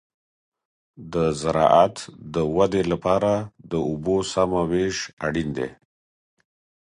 د زراعت د ودې لپاره د اوبو سمه وېش اړین دی.